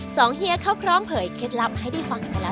เฮียเขาพร้อมเผยเคล็ดลับให้ได้ฟังกันแล้ว